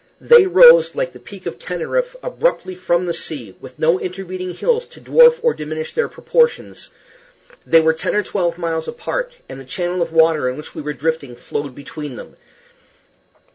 They rose, like the Peak of Teneriffe, abruptly from the sea, with no intervening hills to dwarf or diminish their proportions. They were ten or twelve miles apart, and the channel of water in which we were drifting flowed between them.